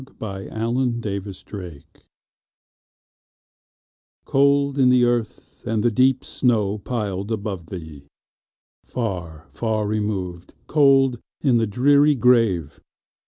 Emily Brontë Remembrance COLD in the earth, and the deep snow piled above thee! Far, far removed, cold in the dreary grave!